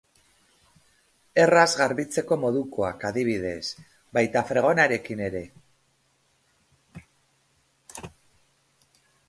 Erraz garbitzeko modukoak adibidez, baita fregonarekin ere.